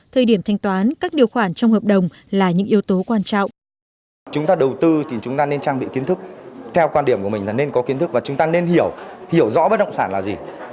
thời điểm thanh toán các điều khoản trong hợp đồng là những yếu tố quan trọng